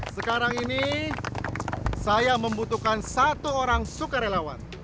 sekarang ini saya membutuhkan satu orang sukarelawan